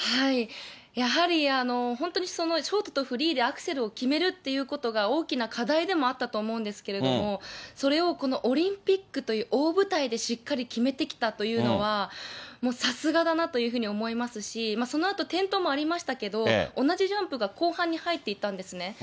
やはり本当に、ショートとフリーでアクセルを決めるっていうことが大きな課題でもあったと思うんですけれども、それをこのオリンピックという大舞台でしっかり決めてきたっていうのは、もうさすがだなというふうに思いますし、そのあと転倒もありましたけど、同じジャンプが後半に入っていたんですね。